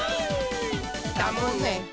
「だもんね」